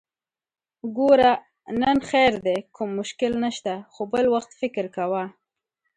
ګوره! نن خير دی، کوم مشکل نشته، خو بل وخت فکر کوه!